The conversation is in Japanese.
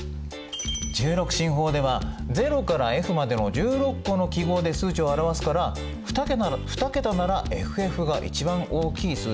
１６進法では０からＦまでの１６個の記号で数値を表すから２桁ならＦＦが一番大きい数値になるみたいですね。